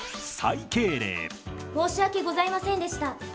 申し訳ございませんでした。